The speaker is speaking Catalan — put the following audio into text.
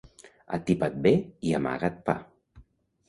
Atipa't bé i amaga't pa.